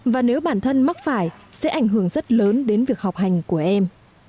và nếu bản thân mắc phải sẽ ảnh hưởng rất lớn đến việc học hành của em